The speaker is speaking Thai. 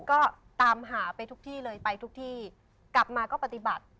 ก็ตามหาไปทุกที่เลยไปทุกที่กลับมาก็ปฏิบัติ